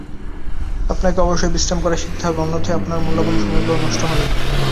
আপনাকে অবশ্যই বিশ্রাম করা শিখতে হবে অন্যথায় আপনার মূল্যবান সময়গুলো নষ্ট হবে।